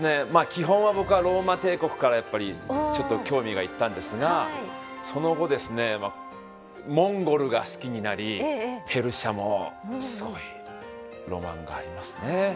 基本は僕はローマ帝国からやっぱりちょっと興味が行ったんですがその後ですねモンゴルが好きになりペルシャもすごいロマンがありますね。